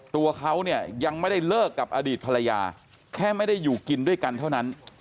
ตัวเขาเนี่ยยังไม่ได้เลิกกับอดีตภรรยาแค่ไม่ได้อยู่กินด้วยกันเท่านั้น